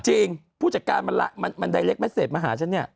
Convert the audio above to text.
จริงผู้จักรรรายมันไลร์ตเมสเซตมาหาฉันเนี่ย